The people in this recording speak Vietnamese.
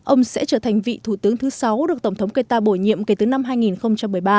ông sẽ trở thành vị thủ tướng thứ sáu được tổng thống keita bổ nhiệm kể từ năm hai nghìn một mươi ba